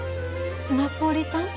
ナポリタン？